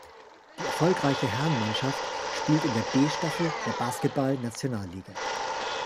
Die erfolgreiche Herrenmannschaft spielt in der B-Staffel der Basketball-Nationalliga.